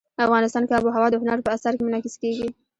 افغانستان کې آب وهوا د هنر په اثار کې منعکس کېږي.